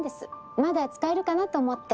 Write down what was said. まだ使えるかなと思って。